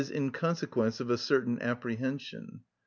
_, in consequence of a certain apprehension.